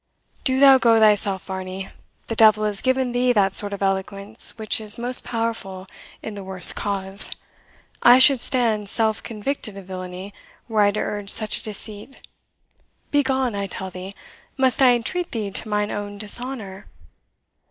"Do thou go thyself, Varney; the devil has given thee that sort of eloquence which is most powerful in the worst cause. I should stand self convicted of villainy, were I to urge such a deceit. Begone, I tell thee; must I entreat thee to mine own dishonour?"